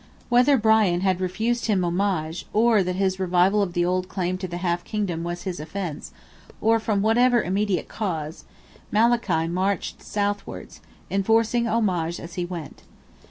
Whether Brian had refused him homage, or that his revival of the old claim to the half kingdom was his offence, or from whatever immediate cause, Malachy marched southwards, enforcing homage as he went.